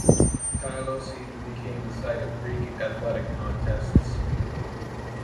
Tylos even became the site of Greek athletic contests.